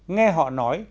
nghe họ nói